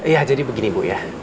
ya jadi begini bu ya